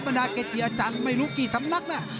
นาเกจิอาจารย์ไม่รู้กี่สำนักน่ะ